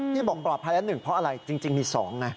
นี่บอกปลอบภัยละหนึ่งเพราะอะไรจริงมีสองไง